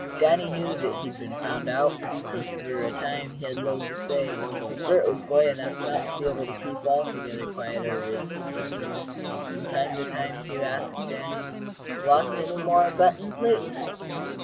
Danny knew that he had been found out, and for a time he had little to say. But Bert was boy enough not to be able to keep altogether quiet over his discovery. From time to time he would ask Danny: "Lost any more buttons, lately?"